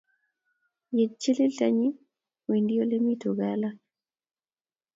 Ye chilil tany, wendi ole mi tugaa alak.